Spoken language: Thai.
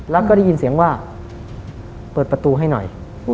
แล้วก็ได้ยินเสียงว่าเปิดประตูให้หน่อย